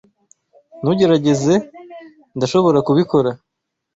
Ntugerageze. Ndashobora kubikora.